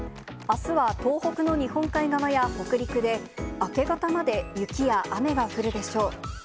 あすは東北の日本海側や北陸で、明け方まで雪や雨が降るでしょう。